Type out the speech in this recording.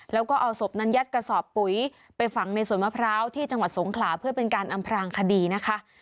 แล้วก็เอาศพนั้นยัดกระสอบปุ๋ยไปฝังในสวนมะพร้าวที่จังหวัดสงขลาเพื่อเป็นการอำพรางคดีนะคะ